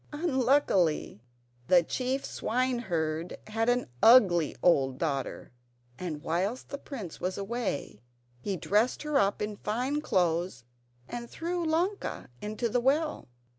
Unluckily the chief swineherd had an ugly old daughter, and whilst the prince was away he dressed her up in fine clothes, and threw Ilonka into the well.